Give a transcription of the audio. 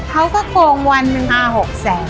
เขาก็โค่งวันหนึ่งอ่าหกแสง